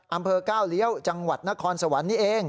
อำเภอก้าวเลี้ยวจังหวัดนครสวรรค์นี้เอง